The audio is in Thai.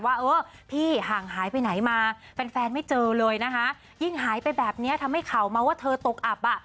ว่าเออพี่ห่างหายไปไหนมาแฟนแฟนไม่เจอเลยนะคะยิ่งหายไปแบบนี้ทำให้ข่าวมาว่าเธอตกอับอ่ะ